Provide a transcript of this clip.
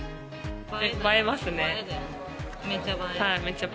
映えますね。